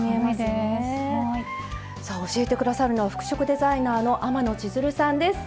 さあ教えて下さるのは服飾デザイナーの天野千鶴さんです。